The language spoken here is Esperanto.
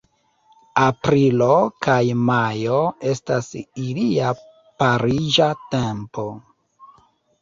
Aprilo kaj majo estas ilia pariĝa tempo.